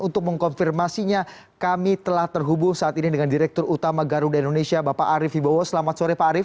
untuk mengkonfirmasinya kami telah terhubung saat ini dengan direktur utama garuda indonesia bapak arief ibowo selamat sore pak arief